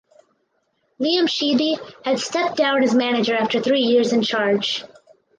Liam Sheedy had stepped down as manager after three years in charge.